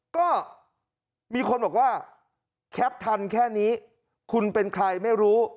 ก็มีคนบอกว่าแคปทันแค่นี้คุณเป็นใครไม่รู้